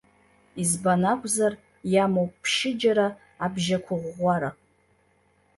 Избан акәзар иамоуп ԥшьыџьара абжьақәыӷәӷәара.